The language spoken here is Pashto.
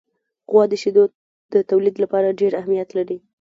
غوا د شیدو د تولید لپاره ډېر اهمیت لري.